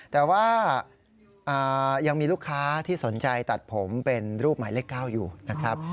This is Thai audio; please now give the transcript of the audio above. แต่ว่ายังมีลูกค้าที่สนใจตัดผมเป็นรูปหมายเลข๙อยู่นะครับ